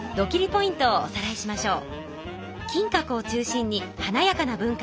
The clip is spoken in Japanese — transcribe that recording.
ポイントをおさらいしましょう。